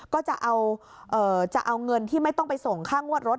ก็จะเอาเงินที่ไม่ต้องไปส่งค่างวดรถ